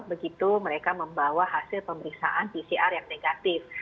begitu mereka membawa hasil pemeriksaan pcr yang negatif